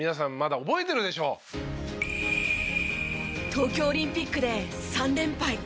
東京オリンピックで３連敗。